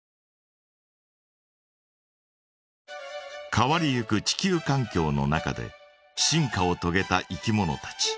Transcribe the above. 変わりゆく地球かん境の中で進化をとげたいきものたち。